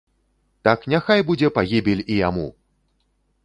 Так няхай будзе пагібель і яму!